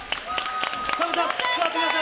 澤部さん、座ってください。